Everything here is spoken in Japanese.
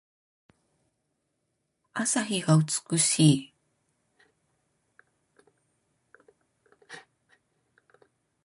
朝日が美しい。